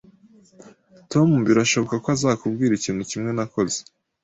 Tom birashoboka ko azakubwira ikintu kimwe nakoze